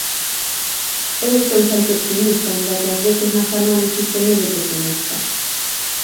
Eu son sempre optimista aínda que ás veces nas análises semelle pesimista.